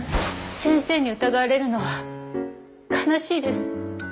先生に疑われるのは悲しいです。